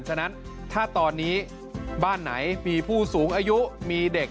ฉะนั้นถ้าตอนนี้บ้านไหนมีผู้สูงอายุมีเด็ก